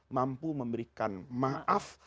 mampu memberikan maaf